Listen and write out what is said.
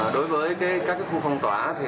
đối với các khu phân tỏa